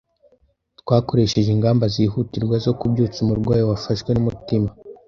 Twakoresheje ingamba zihutirwa zo kubyutsa umurwayi wafashwe numutima.